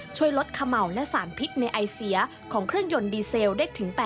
ช่วยลดเขม่าวและสารพิษในไอเสียของเครื่องยนต์ดีเซลได้ถึง๘๐